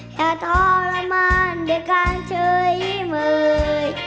แค่ทรมานเดี๋ยวการช่วยมือ